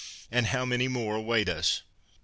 And how many more await us !